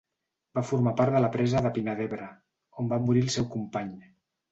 Va formar part de la presa de Pina d'Ebre, on va morir el seu company.